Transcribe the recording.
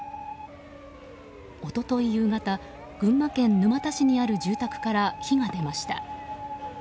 一昨日夕方群馬県沼田市にある住宅から火が出ました。